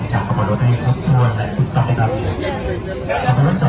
จามน้ำไว้